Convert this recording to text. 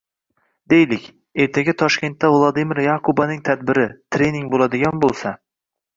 Deylik, ertaga Toshkentda Vladimir Yakubaning tadbiri, trening boʻladigan boʻlsa